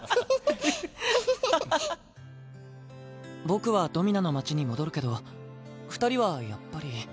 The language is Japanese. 僕はドミナの町に戻るけど二人はやっぱり。